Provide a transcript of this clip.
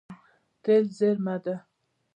تېل زیرمه ده.